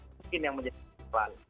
mungkin yang menjadi jalan